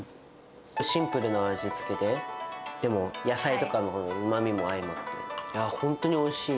シンプルな味付けで、でも、野菜とかのうまみも相まって、本当においしい。